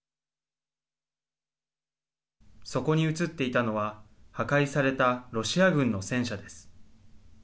そこに写っていたのは破壊されたロシア軍の戦車です。